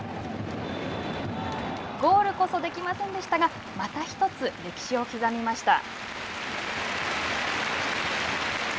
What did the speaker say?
ゴールこそできませんでしたがまたひとつ歴史を刻みました。